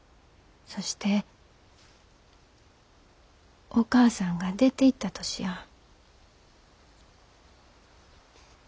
そしてお母さんが出ていった年や。